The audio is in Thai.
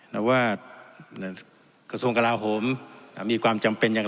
แล้วว่ากระทรวงกราโหมมีความจำเป็นอย่าง